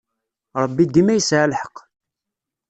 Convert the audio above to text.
Ṛebbi dima yesɛa lḥeqq.